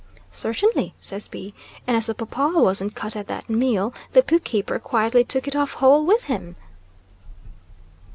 'Certainly,' says B , and as the paw paw wasn't cut at that meal the book keeper quietly took it off whole with him.